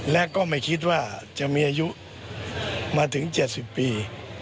และก็ไม่คิดว่าจะมีอายุมาถึง๗๐ปี